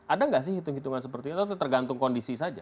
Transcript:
ada nggak sih hitung hitungan seperti itu atau tergantung kondisi saja